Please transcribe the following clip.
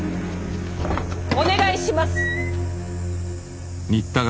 お願いします。